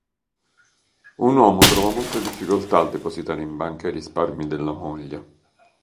Un uomo trova molte difficoltà a depositare in banca i risparmi della moglie.